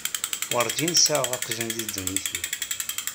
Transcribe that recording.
Werǧin sɛiɣ aqjun di ddunit-iw.